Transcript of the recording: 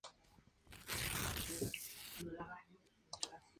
Christian se entera y decide vengarse.